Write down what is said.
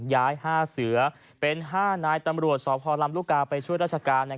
ย้าย๕เสือเป็น๕นายตำรวจสอบธรรมรุกาไปช่วยราชการ